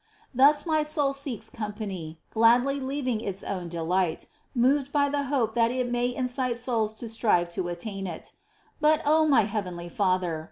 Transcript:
Thus my soul seeks company, gladly leaving its own delight, moved by the hope that it may incite souls to strive to attain it. But, O my heavenly Father